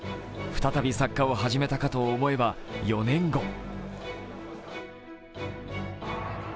再び、作家を始めたかと思えば４年後。